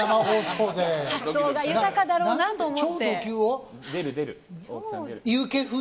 発想が豊かだろうなと思って。